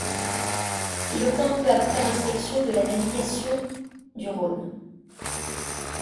Il obtint peu après l’inspection de la navigation du Rhône.